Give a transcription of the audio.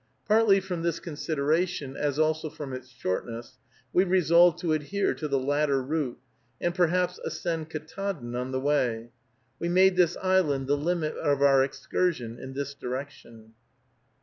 Partly from this consideration, as also from its shortness, we resolved to adhere to the latter route, and perhaps ascend Ktaadn on the way. We made this island the limit of our excursion in this direction.